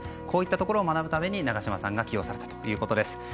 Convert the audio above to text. こういったところを学ぶために長島さんが起用されたということです。